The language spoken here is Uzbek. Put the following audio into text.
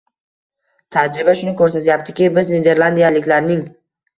Tajriba shuni ko‘rsatyaptiki, biz niderlandiyaliklarning